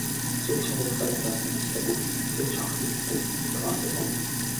Сүүлчийн хугацааг нь заасан ажлыг гүйцэтгэхдээ ч огт стресст ордоггүй.